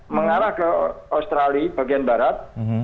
mengarah ke australia bagian barat